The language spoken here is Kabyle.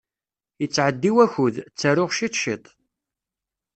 Yettɛeddi wakud, ttaruɣ ciṭ ciṭ.